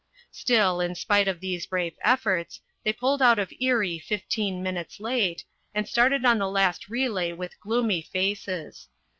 Still, in spite of these brave efforts, they pulled out of Erie 15 minutes late, and started on the last relay with gloomy faces.